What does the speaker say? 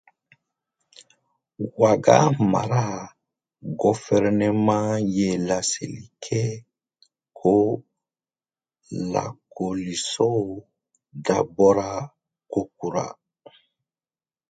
Ouaga mara gofɛrɛnaman ye laseli kɛ ko lakɔlisow dabɔra kokura.